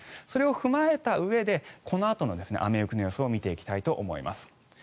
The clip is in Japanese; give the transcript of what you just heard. それを踏まえたうえでこのあとの雨、雪の予想を見ていきたいと思います。